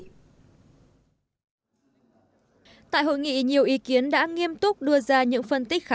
tại hội nghị nhiều ý kiến đã nghiêm túc đưa ra những phân tích khá